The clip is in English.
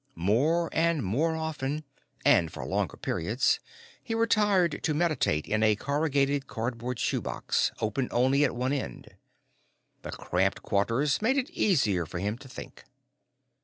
More and more often and for longer periods he retired to meditate in a corrugated cardboard shoebox, open only at one end. The cramped quarters made it easier for him to think.